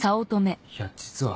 いや実は。